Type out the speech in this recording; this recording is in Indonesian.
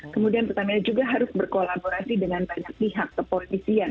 kemudian pertamina juga harus berkolaborasi dengan banyak pihak kepolisian